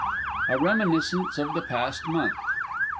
(_A Reminiscence of the Past Month.